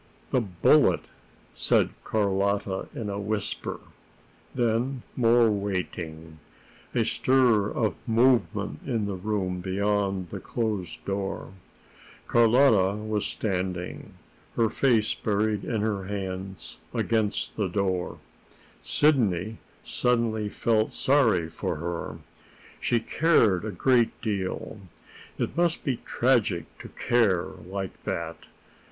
"The bullet!" said Carlotta in a whisper. Then more waiting, a stir of movement in the room beyond the closed door. Carlotta was standing, her face buried in her hands, against the door. Sidney suddenly felt sorry for her. She cared a great deal. It must be tragic to care like that!